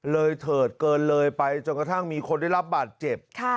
เถิดเกินเลยไปจนกระทั่งมีคนได้รับบาดเจ็บ